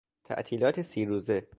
تعطیلات سی روزه